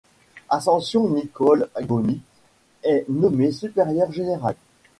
Ascensión Nicol Goñi est nommée supérieure générale.